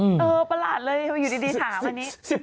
ประหลาดเลยอยู่ดีถามอันนี้